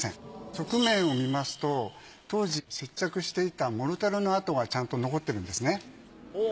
側面を見ますと当時接着していたモルタルの跡がちゃんと残ってるんですね。